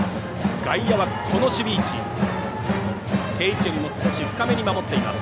外野は定位置よりも少し深めに守っています。